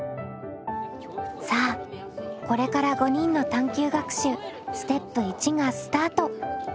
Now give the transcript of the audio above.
さあこれから５人の探究学習ステップ１がスタート！